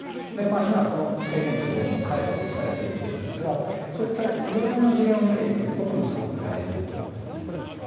今、その制限はどんどん解除されていますがそういったいろいろな事例を見ていくこともすごく大事だと思います。